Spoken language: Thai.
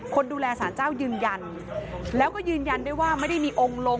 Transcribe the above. คนดูแลสารเจ้ายืนยันแล้วก็ยืนยันด้วยว่าไม่ได้มีองค์ลง